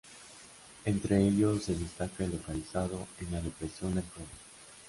Entre ellos se destaca el localizado en la depresión del Cove.